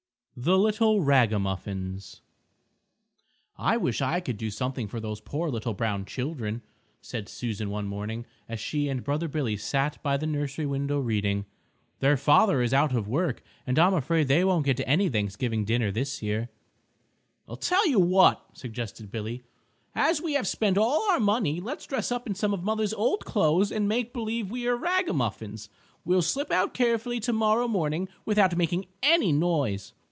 THE LITTLE RAG A MUFFINS "I wish I could do something for those poor little Brown children," said Susan one morning as she and brother Billy sat by the nursery window reading. "Their father is out of work, and I'm afraid they won't get any Thanksgiving dinner this year." "I tell you what," suggested Billy, "as we have spent all our money, let's dress up in some of mother's old clothes and make believe we are rag a muffins. We'll slip out carefully tomorrow morning, without making any noise."